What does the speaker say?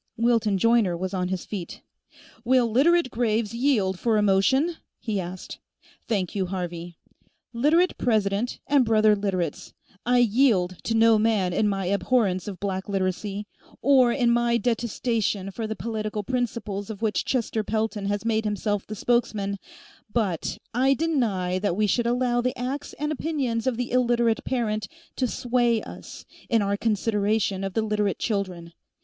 Wilton Joyner was on his feet. "Will Literate Graves yield for a motion?" he asked. "Thank you, Harvey. Literate President, and brother Literates: I yield to no man in my abhorrence of Black Literacy, or in my detestation for the political principles of which Chester Pelton has made himself the spokesman, but I deny that we should allow the acts and opinions of the Illiterate parent to sway us in our consideration of the Literate children.